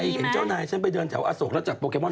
เห็นเจ้านายฉันไปเดินแถวอโศกแล้วจับโปเกมอน